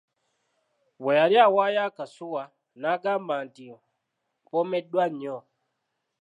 Bwe yali awaayo akasuwa n'agamba nti, mpomeddwa nnyo!